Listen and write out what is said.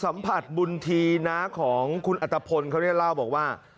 สัมผัสบุญธีน้าของคุณอัตภพลเขาเนี่ยเล่าบอกว่า